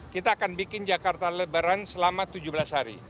kita akan bikin jakarta lebaran selama tujuh belas hari